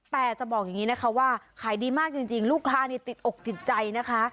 แต่จะบอกอย่างนี้นะคะว่าขายดีมากจริงลูกค้านี่ติดอกติดใจนะคะ